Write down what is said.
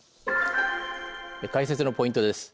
解説のポイントです。